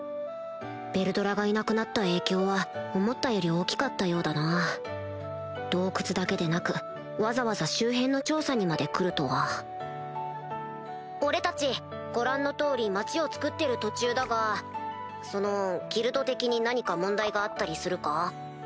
ヴェルドラがいなくなった影響は思ったより大きかったようだな洞窟だけでなくわざわざ周辺の調査にまで来るとは俺たちご覧の通り町を造ってる途中だがそのギルド的に何か問題があったりするか？